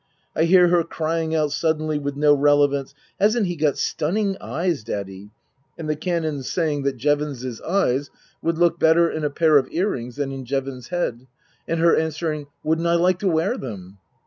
I hear her crying out suddenly with no relevance, " Hasn't he got stunning eyes, Daddy ?" and the Canon saying 136 Tasker Jevons that Jevons 's eyes would look better in a pair of earrings than in Jevons's head, and her answering, " Wouldn't I like to wear them